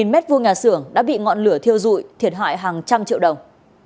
một m hai nhà xưởng đã bị ngọn lửa thiêu dụi thiệt hại hàng trăm triệu đồng